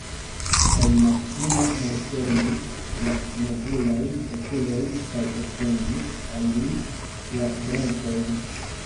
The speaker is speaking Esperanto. Kaj Maksimo malfermis la nebulajn okulojn kaj etendis al li la brakojn.